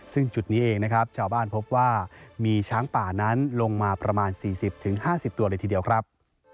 ซึ่งจุดนี้เองนะครับชาวบ้านพบว่ามีช้างป่านั้นลงมาประมาณ๔๐๕๐ตัวเลยทีเดียวครับ